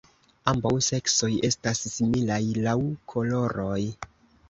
Ambaŭ seksoj estas similaj laŭ koloroj.